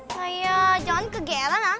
nah iya jangan ke gla lah